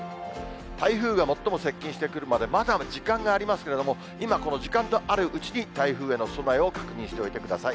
台風が最も接近してくるまでまだ時間がありますけれども、今、この時間のあるうちに、台風への備えを確認しておいてください。